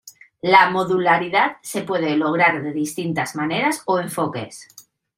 La modularidad se puede lograr de distintas maneras o enfoques.